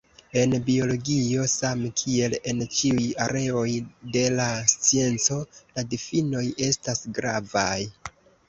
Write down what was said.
En biologio, same kiel en ĉiuj areoj de la scienco, la difinoj estas gravaj.